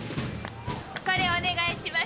これお願いします。